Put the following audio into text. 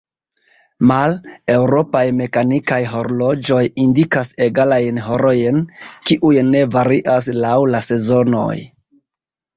Male, eŭropaj mekanikaj horloĝoj indikas egalajn horojn, kiuj ne varias laŭ la sezonoj.